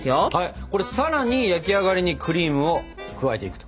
これさらに焼き上がりにクリームを加えていくと。